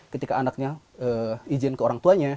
ketika anaknya izin ke orang tuanya